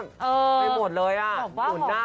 ไปหมดเลยอ่ะหมุนหน้า